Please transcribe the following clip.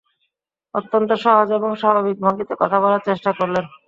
অত্যন্ত সহজ এবং স্বাভাবিক ভঙ্গিতে কথা বলার চেষ্টা করলেন।